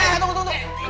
eh tunggu tunggu tunggu